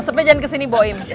asepnya jangan kesini boim